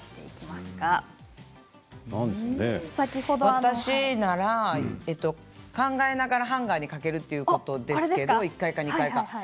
私なら考えながらハンガーに掛けるということですけど１階か２階かね。